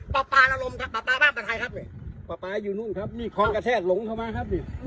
ปลาปลาละลมปลาปลาบ้านประทายครับปลาปลาอยู่นู่นครับมีคล้องกระแทดหลงเข้ามาครับนี่